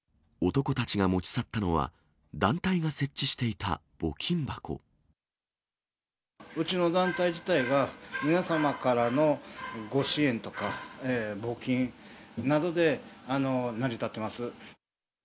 男たちが持ち去ったのは、うちの団体自体が、皆様からのご支援とか募金などで成り立ってます。